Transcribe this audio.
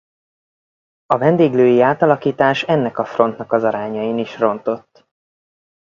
A vendéglői átalakítás ennek a frontnak az arányain is rontott.